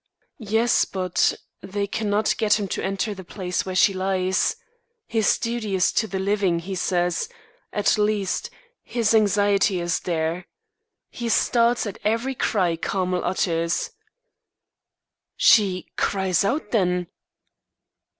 "Yes, but they cannot get him to enter the place where she lies. His duty is to the living, he says; at least, his anxiety is there. He starts at every cry Carmel utters." "She cries out then?"